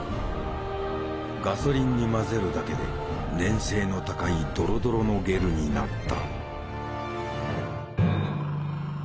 ガソリンに混ぜるだけで粘性の高いドロドロのゲルになった。